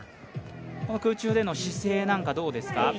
この空中での姿勢なんかどうですか。